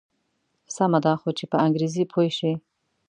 سمه ده خو چې په انګریزي پوی شي.